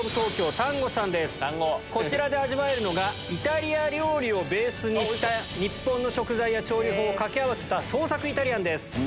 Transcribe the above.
こちらで味わえるのがイタリア料理をベースにした日本の食材や調理法を掛け合わせた創作イタリアンです。